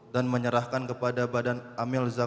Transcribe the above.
dan menyerahkan kepada badan amil zakat nasional